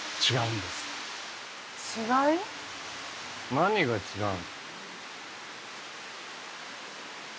何が違う？